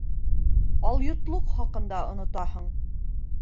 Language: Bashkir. Алйотлоҡ хаҡында онотаһың.